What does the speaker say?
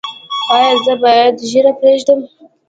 ایا زه باید ږیره پریږدم؟